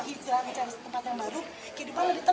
kehidupan lebih tenang kalau kita bisa